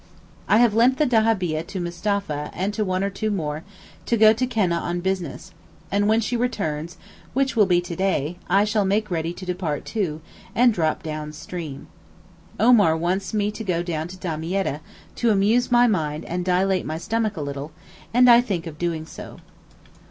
I have lent the dahabieh to Mustapha and to one or two more, to go to Keneh on business, and when she returns (which will be to day) I shall make ready to depart too, and drop down stream. Omar wants me to go down to Damietta, to 'amuse my mind and dilate my stomach' a little; and I think of doing so.